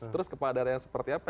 terus kepala daerah yang seperti apa